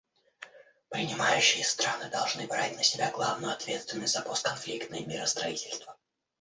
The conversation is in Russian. Принимающие страны должны брать на себя главную ответственность за постконфликтное миростроительство.